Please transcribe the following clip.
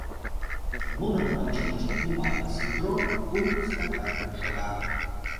Нунын ончылнышт кум ате ситро, кум стакан шога.